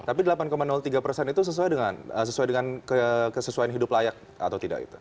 tapi delapan tiga persen itu sesuai dengan kesesuaian hidup layak atau tidak